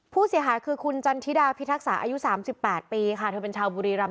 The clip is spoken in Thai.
ผู้เสียหายคือคุณจันทิดาพิทักษะอายุ๓๘ปีค่ะเธอเป็นชาวบุรีรำ